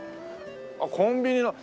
あっコンビニの。